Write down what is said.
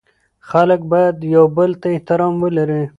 خلګ باید یوبل ته احترام ولري